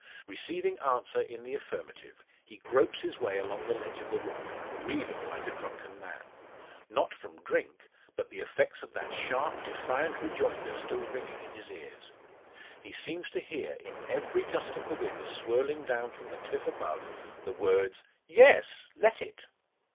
Receiving answer in the affirmative, he gropes his way along the ledge of rock, reeling like a drunken man. Not from drink, but the effects of that sharp, defiant rejoinder still ringing in his ears. He seems to hear, in every gust of the wind swirling down from the cliff above, the words, "Yes; let it!"